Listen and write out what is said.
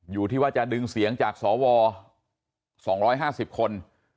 อยู่ที่ว่าจะดึงเสียงจากสว๒๕๐คน